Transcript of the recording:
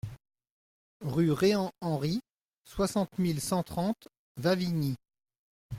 Rue Reant Henri, soixante mille cent trente Wavignies